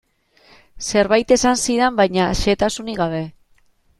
Zerbait esan zidan, baina xehetasunik gabe.